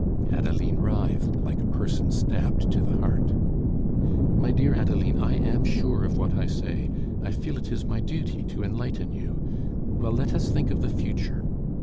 Adeline writhed like a person stabbed to the heart. "My dear Adeline, I am sure of what I say. I feel it is my duty to enlighten you. Well, let us think of the future.